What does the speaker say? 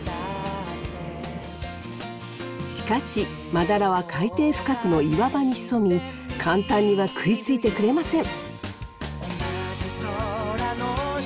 しかしマダラは海底深くの岩場に潜み簡単には食いついてくれません。